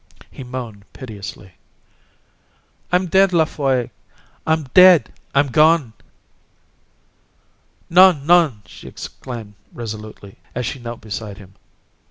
He moaned piteously:— "I'm dead, La Folle! I'm dead! I'm gone!" "Non, non!" she exclaimed resolutely, as she knelt beside him.